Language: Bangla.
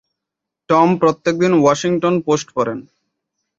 টম প্রত্যেকদিন ওয়াশিংটন পোষ্ট পরেন।